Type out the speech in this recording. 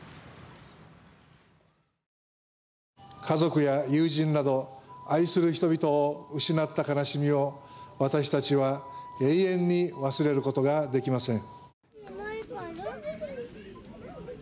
家族や友人など愛する人々を失った悲しみを私たちは永遠に忘れる事ができません。